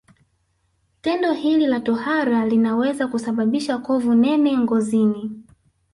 Tendo hili la tohara linaweza kusababisha kovu nene ngozini